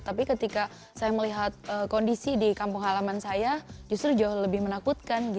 tapi ketika saya melihat kondisi di kampung halaman saya justru jauh lebih menakutkan